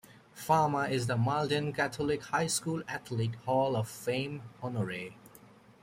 Fama is a Malden Catholic High School Athletic Hall of Fame honoree.